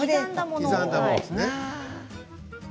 刻んだものです。